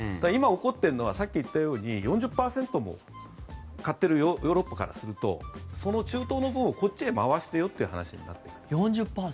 今、起こっているのはさっき言ったように４０％も買ってるヨーロッパからするとその中東の分をこっちに回してよっていう話になってくる。